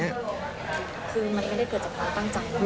คือมันไม่ได้เกิดจากความตั้งใจ